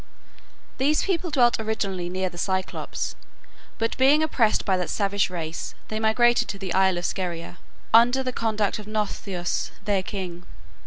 These people dwelt originally near the Cyclopes; but being oppressed by that savage race, they migrated to the isle of Scheria, under the conduct of Nausithous, their king.